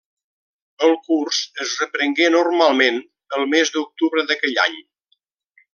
El curs es reprengué, normalment, el mes d'octubre d'aquell any.